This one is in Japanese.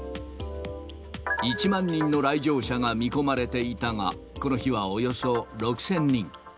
１万人の来場者が見込まれていたが、この日はおよそ６０００人。